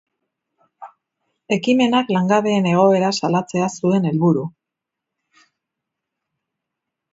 Ekimenak langabeen egoera salatzea zuen helburu.